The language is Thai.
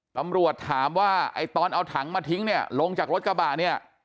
ตำรวจถามว่าไอ้ตอนเอาถังมาทิ้งเนี่ยลงจากรถกระบะเนี่ย